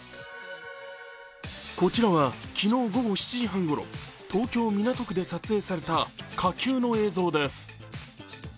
こちらは昨日午後７時半ごろ、東京・港区で撮影された火球の映像です。